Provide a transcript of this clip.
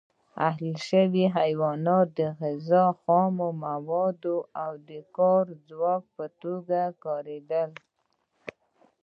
اهلي شوي حیوانات د غذا، خامو موادو او د کار ځواک په توګه کارېدل.